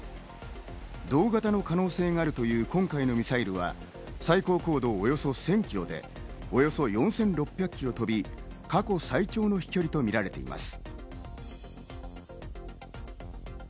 同型の可能性があるという今回のミサイルは最高高度およそ１０００キロでおよそ４６００キロ飛び、過去最長の飛距離とみられています。